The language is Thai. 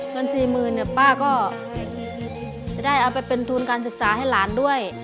สี่หมื่นเนี่ยป้าก็จะได้เอาไปเป็นทุนการศึกษาให้หลานด้วย